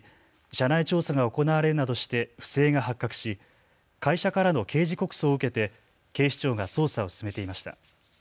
社内調査が行われるなどして不正が発覚し会社からの刑事告訴を受けて警視庁が捜査を進めていました。